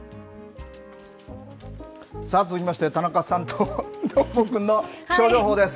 さあ、続きまして田中さんとどーもくんの気象情報です。